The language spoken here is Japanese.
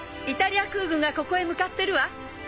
イタリア空軍がここへ向かってるわ。